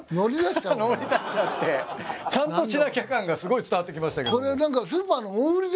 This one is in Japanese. ちゃんとしなきゃ感がすごい伝わってきましたけど。